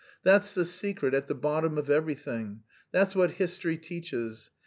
That's the secret at the bottom of everything, that's what history teaches!